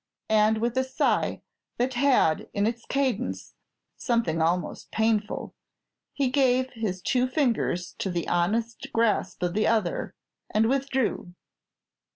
And with a sigh that had in its cadence something almost painful, he gave his two fingers to the honest grasp of the other, and withdrew.